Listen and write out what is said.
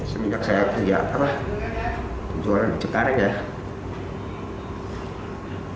semidang saya kerja apa jualan cekarek ya